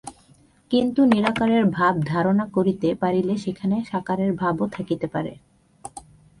কিন্তু নিরাকারের ভাব ধারণা করিতে পারিলে সেখানে সাকারের ভাবও থাকিতে পারে।